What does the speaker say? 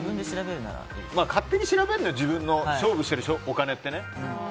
勝手に調べるなら自分の勝負しているお金って。